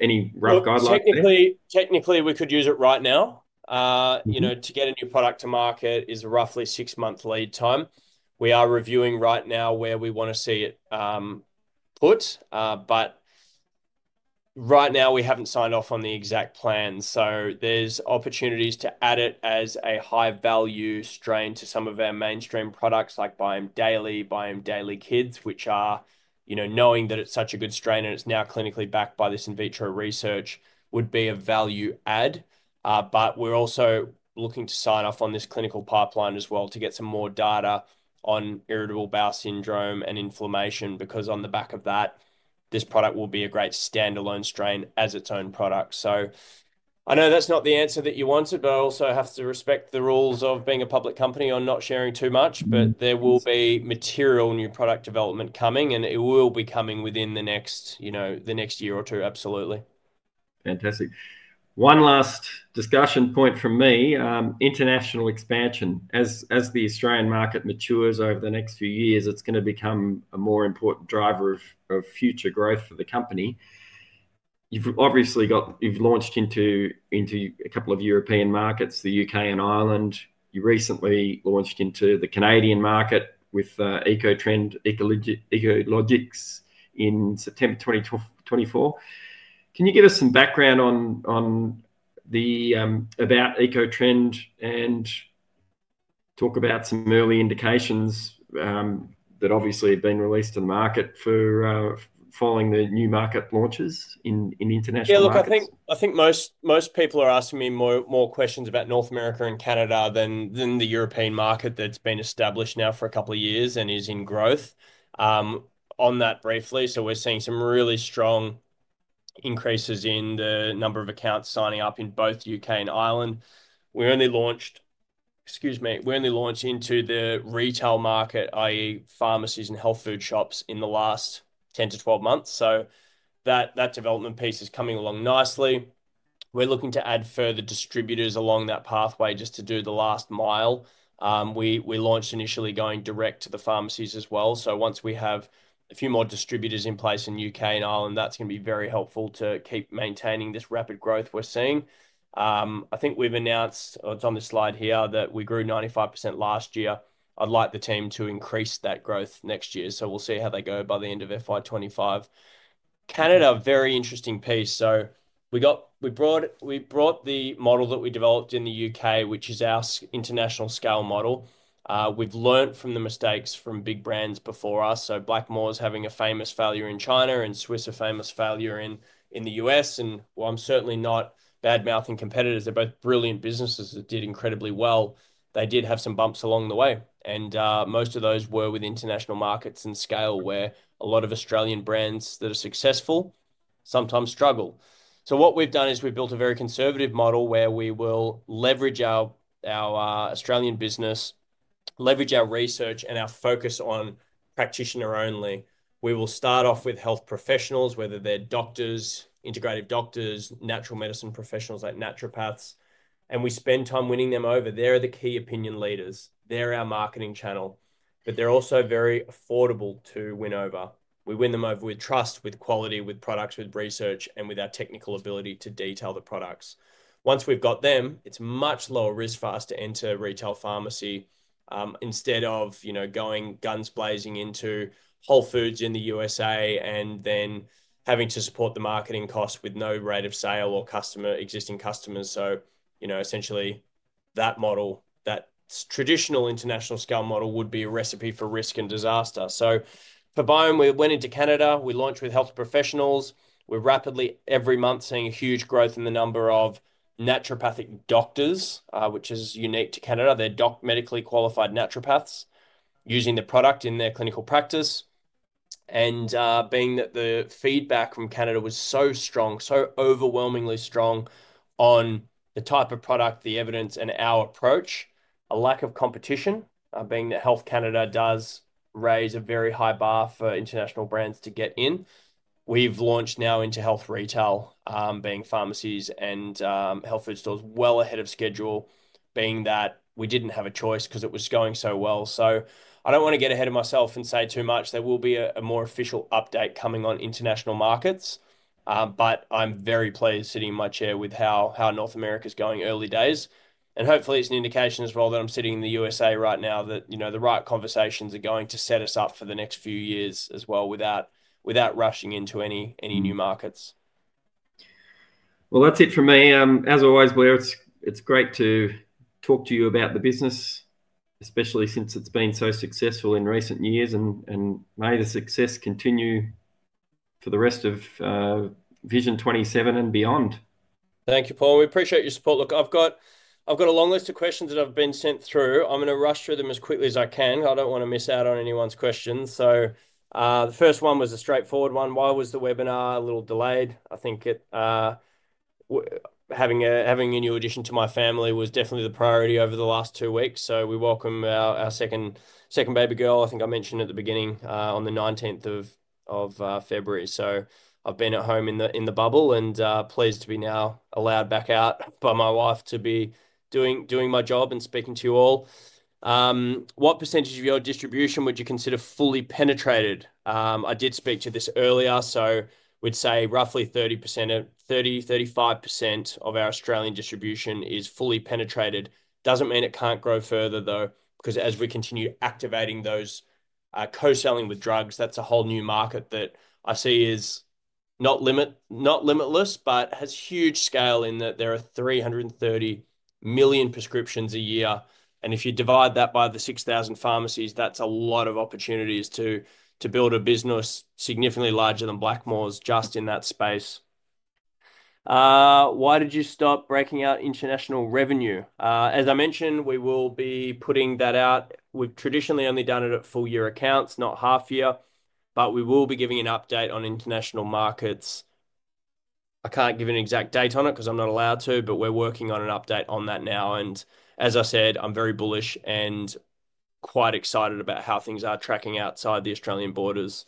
Any rough guidelines?
Technically, we could use it right now. To get a new product to market is roughly six months lead time. We are reviewing right now where we want to see it put. Right now, we haven't signed off on the exact plan. There are opportunities to add it as a high-value strain to some of our mainstream products like Biome Daily, Biome Daily Kids, which are knowing that it's such a good strain and it's now clinically backed by this in vitro research would be a value add. We are also looking to sign off on this clinical pipeline as well to get some more data on irritable bowel syndrome and inflammation because on the back of that, this product will be a great standalone strain as its own product. I know that's not the answer that you wanted, but I also have to respect the rules of being a public company on not sharing too much. There will be material new product development coming. It will be coming within the next year or two, absolutely.
Fantastic. One last discussion point from me, international expansion. As the Australian market matures over the next few years, it's going to become a more important driver of future growth for the company. You've obviously launched into a couple of European markets, the U.K. and Ireland. You recently launched into the Canadian market with Ecotrend Ecologics in September 2024. Can you give us some background about Ecotrend and talk about some early indications that obviously have been released to the market following the new market launches in international markets?
Yeah, look, I think most people are asking me more questions about North America and Canada than the European market that's been established now for a couple of years and is in growth. On that briefly, we're seeing some really strong increases in the number of accounts signing up in both U.K. and Ireland. We only launched—excuse me—we only launched into the retail market, i.e., pharmacies and health food shops in the last 10-12 months. That development piece is coming along nicely. We're looking to add further distributors along that pathway just to do the last mile. We launched initially going direct to the pharmacies as well. Once we have a few more distributors in place in U.K. and Ireland, that's going to be very helpful to keep maintaining this rapid growth we're seeing. I think we've announced, or it's on the slide here, that we grew 95% last year. I'd like the team to increase that growth next year. We'll see how they go by the end of FY 2025. Canada, a very interesting piece. We brought the model that we developed in the U.K., which is our international scale model. We've learned from the mistakes from big brands before us. Blackmores having a famous failure in China and Swisse a famous failure in the U.S. While I'm certainly not bad-mouthing competitors, they're both brilliant businesses that did incredibly well. They did have some bumps along the way. Most of those were with international markets and scale where a lot of Australian brands that are successful sometimes struggle. What we've done is we've built a very conservative model where we will leverage our Australian business, leverage our research, and our focus on practitioner only. We will start off with health professionals, whether they're doctors, integrative doctors, natural medicine professionals like naturopaths. We spend time winning them over. They're the key opinion leaders. They're our marketing channel. They're also very affordable to win over. We win them over with trust, with quality, with products, with research, and with our technical ability to detail the products. Once we've got them, it's much lower risk for us to enter retail pharmacy instead of going guns blazing into Whole Foods in the U.S.A. and then having to support the marketing cost with no rate of sale or existing customers. Essentially, that traditional international scale model would be a recipe for risk and disaster. For Biome, we went into Canada. We launched with health professionals. We're rapidly, every month, seeing a huge growth in the number of naturopathic doctors, which is unique to Canada. They're medically qualified naturopaths using the product in their clinical practice. Being that the feedback from Canada was so strong, so overwhelmingly strong on the type of product, the evidence, and our approach, a lack of competition, being that Health Canada does raise a very high bar for international brands to get in, we've launched now into health retail, being pharmacies and health food stores well ahead of schedule, being that we didn't have a choice because it was going so well. I don't want to get ahead of myself and say too much. There will be a more official update coming on international markets. I am very pleased sitting in my chair with how North America is going early days. Hopefully, it is an indication as well that I am sitting in the U.S.A. right now that the right conversations are going to set us up for the next few years as well without rushing into any new markets.
That is it for me. As always, Blair, it is great to talk to you about the business, especially since it has been so successful in recent years. May the success continue for the rest of Vision 27 and beyond.
Thank you, Paul. We appreciate your support. Look, I have got a long list of questions that have been sent through. I am going to rush through them as quickly as I can. I do not want to miss out on anyone's questions. The first one was a straightforward one. Why was the webinar a little delayed? I think having a new addition to my family was definitely the priority over the last two weeks. We welcome our second baby girl. I think I mentioned at the beginning on the 19th of February. I have been at home in the bubble and pleased to be now allowed back out by my wife to be doing my job and speaking to you all. What percentage of your distribution would you consider fully penetrated? I did speak to this earlier. We would say roughly 30%-35% of our Australian distribution is fully penetrated. It does not mean it cannot grow further, though, because as we continue activating those co-selling with drugs, that is a whole new market that I see is not limitless, but has huge scale in that there are 330 million prescriptions a year. If you divide that by the 6,000 pharmacies, that's a lot of opportunities to build a business significantly larger than Blackmores just in that space. Why did you stop breaking out international revenue? As I mentioned, we will be putting that out. We've traditionally only done it at full-year accounts, not half-year. We will be giving an update on international markets. I can't give an exact date on it because I'm not allowed to, but we're working on an update on that now. As I said, I'm very bullish and quite excited about how things are tracking outside the Australian borders.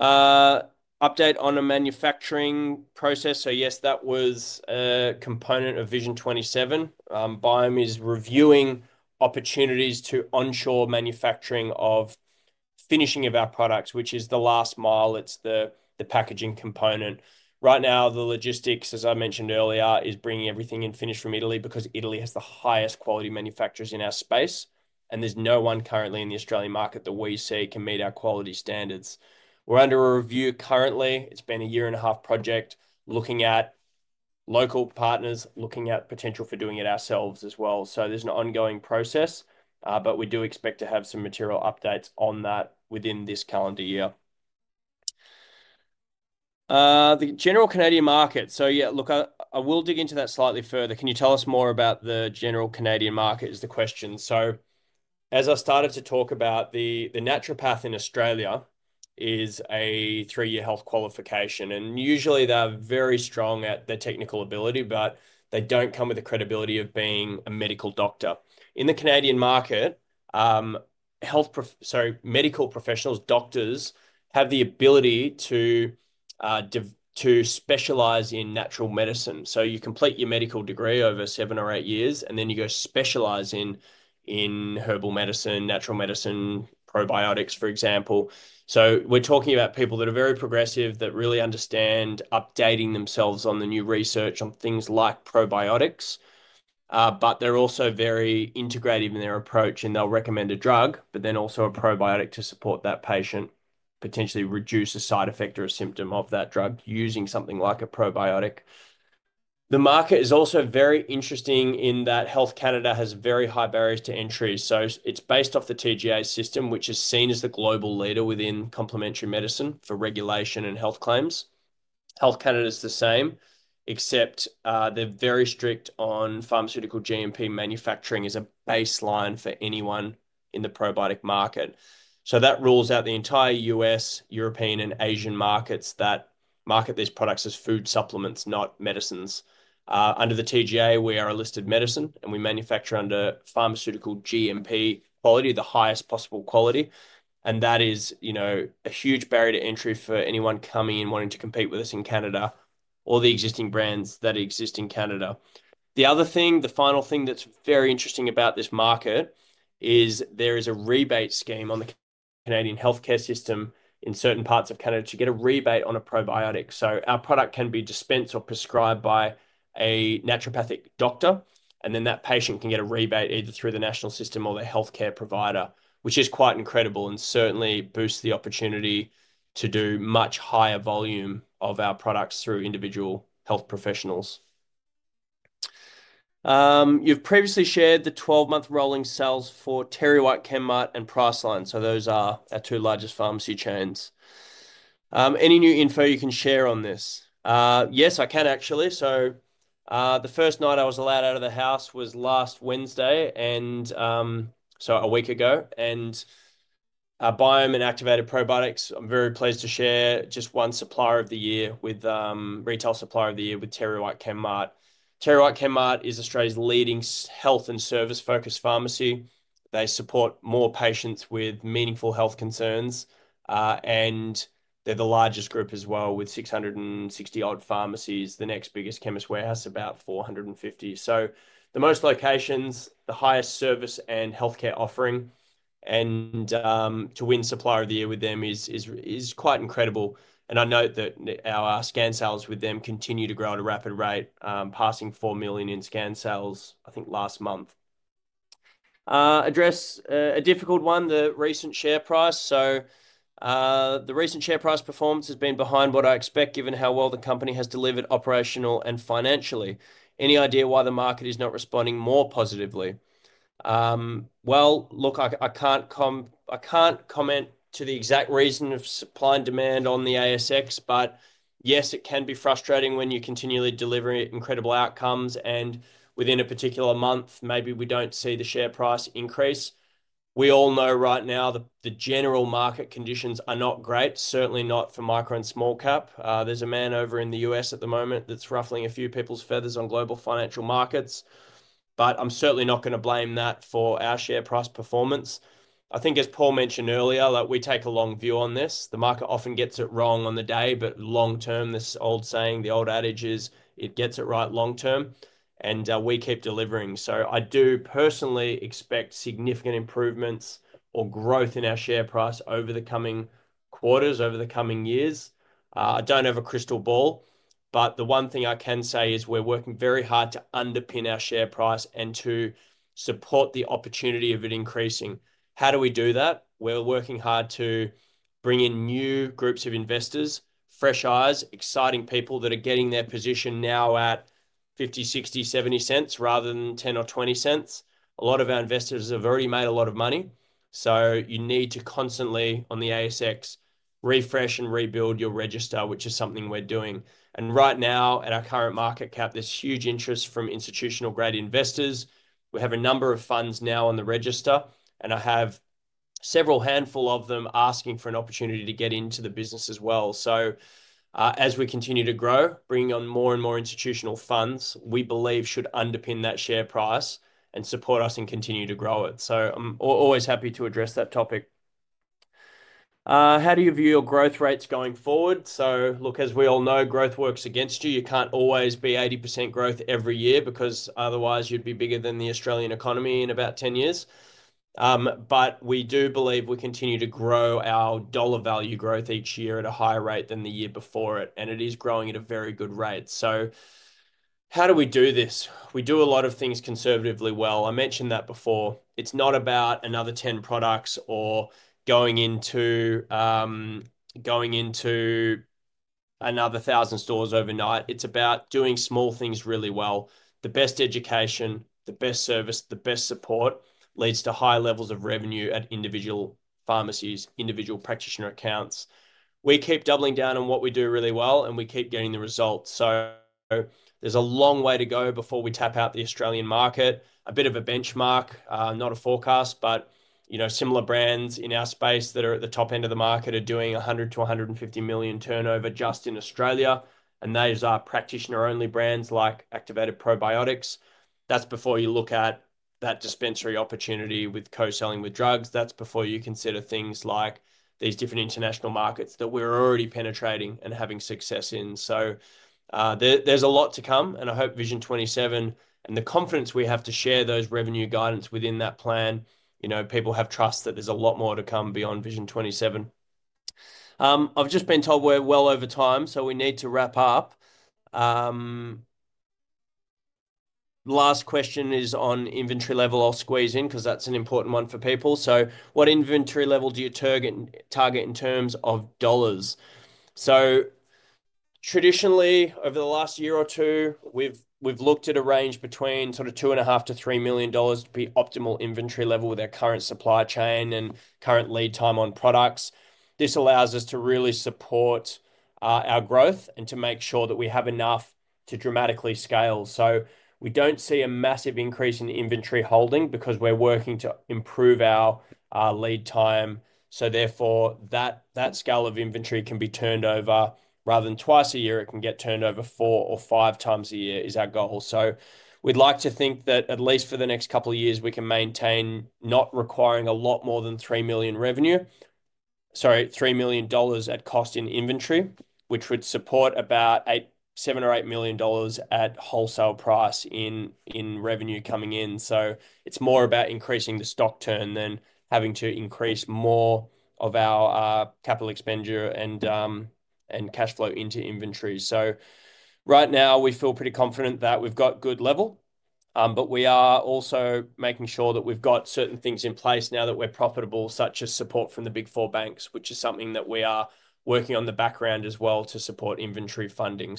Update on a manufacturing process. Yes, that was a component of Vision 27. Biome is reviewing opportunities to onshore manufacturing of finishing of our products, which is the last mile. It's the packaging component. Right now, the logistics, as I mentioned earlier, is bringing everything in finished from Italy because Italy has the highest quality manufacturers in our space. There is no one currently in the Australian market that we see can meet our quality standards. We are under a review currently. It has been a year and a half project looking at local partners, looking at potential for doing it ourselves as well. There is an ongoing process, but we do expect to have some material updates on that within this calendar year. The general Canadian market. Yeah, look, I will dig into that slightly further. Can you tell us more about the general Canadian market is the question. As I started to talk about, the naturopath in Australia is a three-year health qualification. Usually, they're very strong at their technical ability, but they don't come with the credibility of being a medical doctor. In the Canadian market, sorry, medical professionals, doctors, have the ability to specialize in natural medicine. You complete your medical degree over seven or eight years, and then you go specialize in herbal medicine, natural medicine, probiotics, for example. We're talking about people that are very progressive that really understand updating themselves on the new research on things like probiotics. They're also very integrative in their approach. They'll recommend a drug, but then also a probiotic to support that patient, potentially reduce the side effect or a symptom of that drug using something like a probiotic. The market is also very interesting in that Health Canada has very high barriers to entry. It's based off the TGA system, which is seen as the global leader within complementary medicine for regulation and health claims. Health Canada is the same, except they're very strict on pharmaceutical GMP manufacturing as a baseline for anyone in the probiotic market. That rules out the entire US, European, and Asian markets that market these products as food supplements, not medicines. Under the TGA, we are a listed medicine, and we manufacture under pharmaceutical GMP quality, the highest possible quality. That is a huge barrier to entry for anyone coming in wanting to compete with us in Canada or the existing brands that exist in Canada. The other thing, the final thing that's very interesting about this market is there is a rebate scheme on the Canadian healthcare system in certain parts of Canada to get a rebate on a probiotic. Our product can be dispensed or prescribed by a naturopathic doctor, and then that patient can get a rebate either through the national system or the healthcare provider, which is quite incredible and certainly boosts the opportunity to do much higher volume of our products through individual health professionals. You've previously shared the 12-month rolling sales for TerryWhite Chemmart and Priceline. Those are our two largest pharmacy chains. Any new info you can share on this? Yes, I can actually. The first night I was allowed out of the house was last Wednesday, a week ago. Biome and Activated Probiotics, I'm very pleased to share, just won Supplier of the Year, Retail Supplier of the Year with TerryWhite Chemmart. TerryWhite Chemmart is Australia's leading health and service-focused pharmacy. They support more patients with meaningful health concerns. They're the largest group as well with 660-odd pharmacies, the next biggest Chemist Warehouse, about 450. The most locations, the highest service and healthcare offering. To win supplier of the year with them is quite incredible. I note that our scan sales with them continue to grow at a rapid rate, passing 4 million in scan sales, I think, last month. Address a difficult one, the recent share price. The recent share price performance has been behind what I expect given how well the company has delivered operationally and financially. Any idea why the market is not responding more positively? I can't comment to the exact reason of supply and demand on the ASX, but yes, it can be frustrating when you continually deliver incredible outcomes. Within a particular month, maybe we don't see the share price increase. We all know right now the general market conditions are not great, certainly not for micro and small cap. There's a man over in the U.S. at the moment that's ruffling a few people's feathers on global financial markets. I am certainly not going to blame that for our share price performance. I think, as Paul mentioned earlier, that we take a long view on this. The market often gets it wrong on the day, but long-term, this old saying, the old adage is, it gets it right long-term, and we keep delivering. I do personally expect significant improvements or growth in our share price over the coming quarters, over the coming years. I do not have a crystal ball, but the one thing I can say is we're working very hard to underpin our share price and to support the opportunity of it increasing. How do we do that? We're working hard to bring in new groups of investors, fresh eyes, exciting people that are getting their position now at 0.50-0.60-AUD 0.70 rather than 0.10 or 0.20. A lot of our investors have already made a lot of money. You need to constantly, on the ASX, refresh and rebuild your register, which is something we're doing. Right now, at our current market cap, there's huge interest from institutional-grade investors. We have a number of funds now on the register, and I have several handful of them asking for an opportunity to get into the business as well. As we continue to grow, bringing on more and more institutional funds, we believe should underpin that share price and support us and continue to grow it. I'm always happy to address that topic. How do you view your growth rates going forward? Look, as we all know, growth works against you. You can't always be 80% growth every year because otherwise you'd be bigger than the Australian economy in about 10 years. We do believe we continue to grow our dollar value growth each year at a higher rate than the year before it. It is growing at a very good rate. How do we do this? We do a lot of things conservatively well. I mentioned that before. It's not about another 10 products or going into another 1,000 stores overnight. It's about doing small things really well. The best education, the best service, the best support leads to high levels of revenue at individual pharmacies, individual practitioner accounts. We keep doubling down on what we do really well, and we keep getting the results. There is a long way to go before we tap out the Australian market. A bit of a benchmark, not a forecast, but similar brands in our space that are at the top end of the market are doing 100 million-150 million turnover just in Australia. Those are practitioner-only brands like Activated Probiotics. That is before you look at that dispensary opportunity with co-selling with drugs. That is before you consider things like these different international markets that we are already penetrating and having success in. There is a lot to come. I hope Vision 27 and the confidence we have to share those revenue guidance within that plan, people have trust that there is a lot more to come beyond Vision 27. I have just been told we are well over time, so we need to wrap up. Last question is on inventory level or squeezing because that's an important one for people. What inventory level do you target in terms of dollars? Traditionally, over the last year or two, we've looked at a range between 2.5 million-3 million dollars to be optimal inventory level with our current supply chain and current lead time on products. This allows us to really support our growth and to make sure that we have enough to dramatically scale. We don't see a massive increase in inventory holding because we're working to improve our lead time. Therefore, that scale of inventory can be turned over rather than twice a year. It can get turned over four or five times a year is our goal. We'd like to think that at least for the next couple of years, we can maintain not requiring a lot more than 3 million at cost in inventory, which would support about 7 million-8 million dollars at wholesale price in revenue coming in. It's more about increasing the stock turn than having to increase more of our capital expenditure and cash flow into inventory. Right now, we feel pretty confident that we've got a good level. We are also making sure that we've got certain things in place now that we're profitable, such as support from the Big Four banks, which is something that we are working on in the background as well to support inventory funding.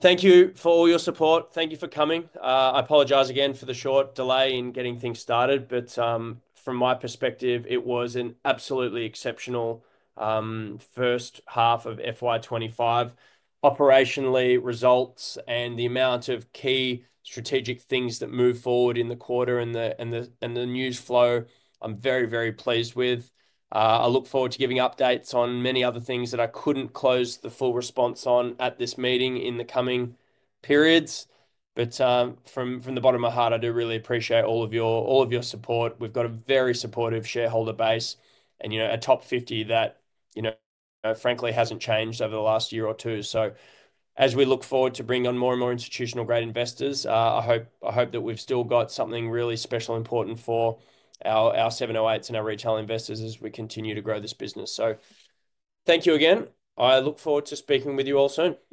Thank you for all your support. Thank you for coming. I apologize again for the short delay in getting things started, but from my perspective, it was an absolutely exceptional first half of FY 2025. Operationally, results and the amount of key strategic things that move forward in the quarter and the news flow, I'm very, very pleased with. I look forward to giving updates on many other things that I couldn't close the full response on at this meeting in the coming periods. From the bottom of my heart, I do really appreciate all of your support. We've got a very supportive shareholder base and a top 50 that, frankly, hasn't changed over the last year or two. As we look forward to bringing on more and more institutional-grade investors, I hope that we've still got something really special and important for our 708s and our retail investors as we continue to grow this business. Thank you again. I look forward to speaking with you all soon.